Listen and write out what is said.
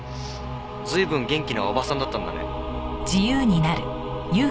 随分元気なおばさんだったんだね。